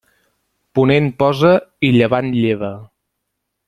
Ponent posa i llevant lleva.